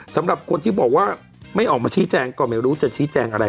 สำหรับคนที่บอกว่าไม่ออกมาชี้แจงก็ไม่รู้จะชี้แจงอะไร